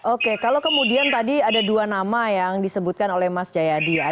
oke kalau kemudian tadi ada dua nama yang disebutkan oleh mas jayadi ya